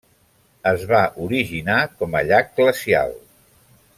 Es va originar com a llac glacial.